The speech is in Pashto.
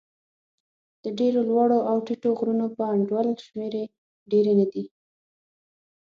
د ډېرو لوړو او ټیټو غرونو په انډول شمېرې ډېرې نه دي.